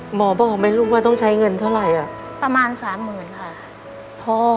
หมอบอกไหมลูกว่าต้องใช้เงินเท่าไหร่อ่ะประมาณสามหมื่นค่ะ